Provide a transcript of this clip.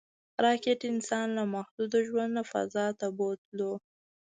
راکټ انسان له محدود ژوند نه فضا ته بوتلو